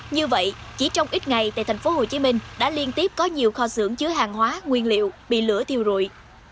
như vậy chỉ trong ít ngày tại tp hcm đã liên tiếp có nhiều kho xưởng chứa hàng hóa nguyên liệu bị lửa thiêu rụi